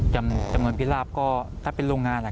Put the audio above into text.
จำนวนพิราบก็ถ้าเป็นโรงงานล่ะ